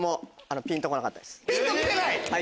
ピンときてない？